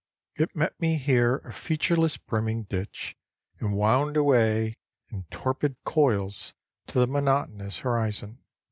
It met me here a featureless, brimming ditch, and wound away in torpid coils to the monotonous horizon.